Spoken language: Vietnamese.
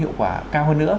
hiệu quả cao hơn nữa